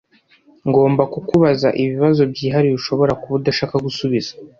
Ngomba kukubaza ibibazo byihariye ushobora kuba udashaka gusubiza.